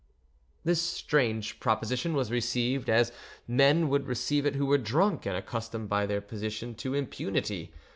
This strange proposition was received as men would receive it who were drunk and accustomed by their position to impunity.